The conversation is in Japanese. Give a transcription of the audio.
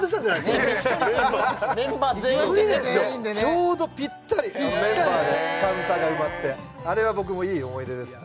ちょうどピッタリあのメンバーでピッタリカウンターが埋まってあれは僕もいい思い出ですね